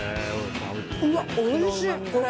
うわ、おいしいこれ。